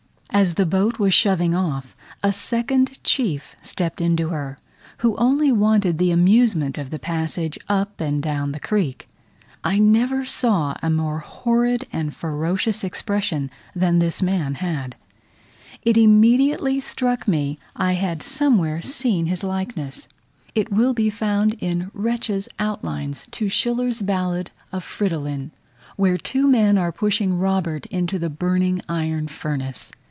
As the boat was shoving off, a second chief stepped into her, who only wanted the amusement of the passage up and down the creek. I never saw a more horrid and ferocious expression than this man had. It immediately struck me I had somewhere seen his likeness: it will be found in Retzch's outlines to Schiller's ballad of Fridolin, where two men are pushing Robert into the burning iron furnace.